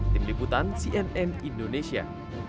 tim liputan cnn indonesia